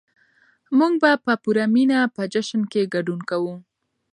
موږ به په پوره مينه په جشن کې ګډون کوو.